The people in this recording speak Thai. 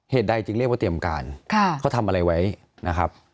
ใดจึงเรียกว่าเตรียมการเขาทำอะไรไว้นะครับ